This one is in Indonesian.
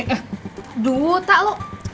aduh tak lo